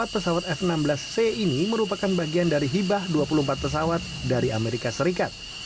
empat pesawat f enam belas c ini merupakan bagian dari hibah dua puluh empat pesawat dari amerika serikat